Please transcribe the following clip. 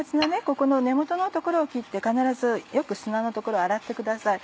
ここの根元の所を切って必ずよく砂の所を洗ってください。